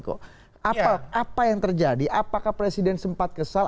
apa yang terjadi apakah presiden sempat kesal apakah presiden sempat ditelikung oleh presiden